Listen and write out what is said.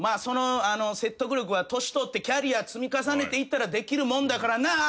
「その説得力は年取って」「キャリア積み重ねていったらできるもんだからな」